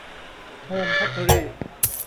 โฮม พอตเทอรี่